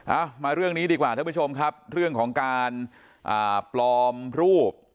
เอามาเรื่องนี้ดีกว่าท่านผู้ชมครับเรื่องของการอ่าปลอมรูป